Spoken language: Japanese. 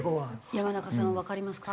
山中さんわかりますか？